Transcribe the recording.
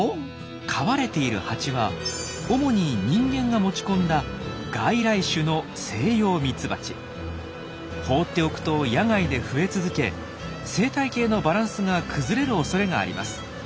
飼われているハチは主に人間が持ち込んだほうっておくと野外で増え続け生態系のバランスが崩れるおそれがあります。